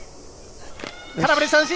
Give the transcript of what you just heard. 空振り三振！